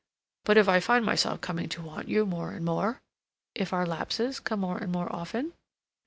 "But if I find myself coming to want you more and more?" "If our lapses come more and more often?"